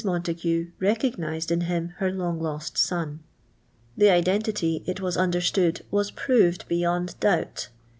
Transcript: Montagu recognised in him her long lost son. The identity, it was understood, was proved beyond doubt.